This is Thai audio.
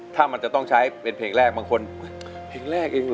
ถ้ามันจะต้องใช้เป็นเพลงแรกบางคนเพลงแรกเองเหรอ